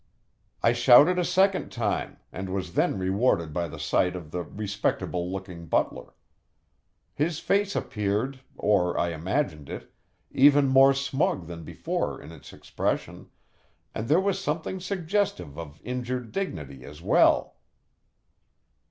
I shouted a second time, and was then rewarded by the sight of the respectable looking butler. His face appeared or I imagined it, even more smug than before in its expression, and there was something suggestive of injured dignity as well.